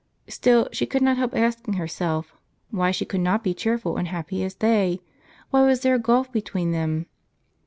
Still she could not help asking herself, why she could not be cheerful and happy as they ? Why was there a gulf between them